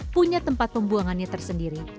punya tempat pembuangannya tersendiri